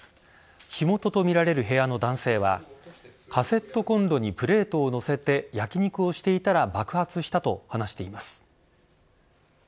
火元とみられる部屋の男性はカセットコンロにプレートを載せて焼き肉をしていたら爆発したと話しています。